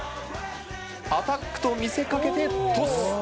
アタックと見せかけてトス！